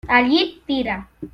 El llit tira.